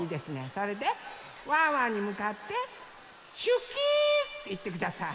それでワンワンにむかって「ちゅき」っていってください！